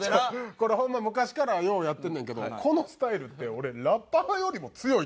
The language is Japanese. これホンマ昔からようやってるねんけどこのスタイルって俺ラッパーよりも強いと思う。